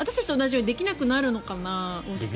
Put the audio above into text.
私たちと同じようにできなくなるのかな？